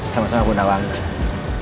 sama sama bunda wangga